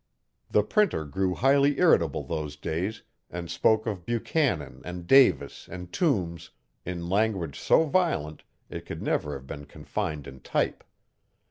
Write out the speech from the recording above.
The Printer grew highly irritable those days and spoke of Buchanan and Davis and Toombs in language so violent it could never have been confined in type.